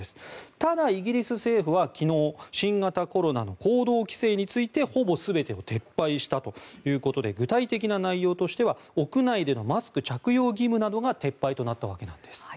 ただ、イギリス政府は昨日新型コロナの行動規制についてほぼ全てを撤廃したということで具体的な内容としては屋内でのマスク着用義務などが撤廃となったわけなんです。